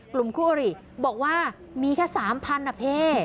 กลุ่มคู่อาริบอกว่ามีแค่สามพันธุ์อ่ะเพ